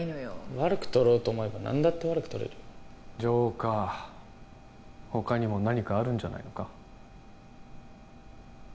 悪く取ろうと思えば何だって悪く取れるよジョーカー他にも何かあるんじゃないのか？